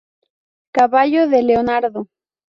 Caballo de Leonardo